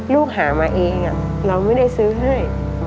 ลูกหามาเองเราไม่ได้ซื้อให้